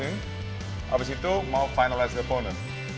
lepas itu mau finalize perempuan